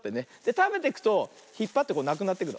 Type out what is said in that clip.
たべてくとひっぱってこうなくなってくの。